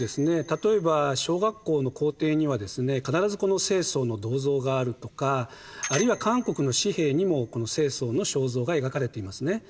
例えば小学校の校庭にはですね必ずこの世宗の銅像があるとかあるいは韓国の紙幣にもこの世宗の肖像が描かれていますね。